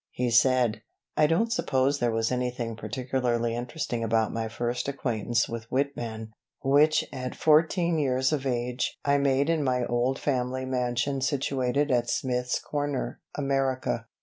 He said: I don't suppose there was anything particularly interesting about my first acquaintance with Whitman, which at 14 years of age I made in my old family mansion situated at Smith's Corner, America.